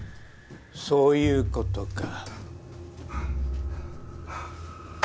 そういうことか。